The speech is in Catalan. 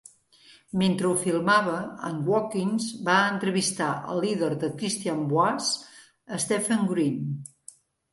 Mentre ho filmava, en Watkins va entrevistar el líder de "Christian Voice", Stephen Green.